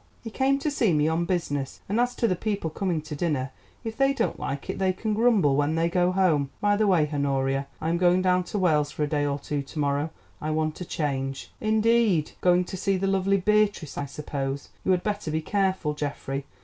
"He came to see me on business, and as to the people coming to dinner, if they don't like it they can grumble when they go home. By the way, Honoria, I am going down to Wales for a day or two to morrow. I want a change." "Indeed! Going to see the lovely Beatrice, I suppose. You had better be careful, Geoffrey.